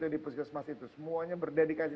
di pusat kesehatan itu semuanya berdedikasi